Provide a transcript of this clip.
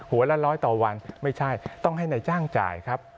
ละร้อยต่อวันไม่ใช่ต้องให้นายจ้างจ่ายครับ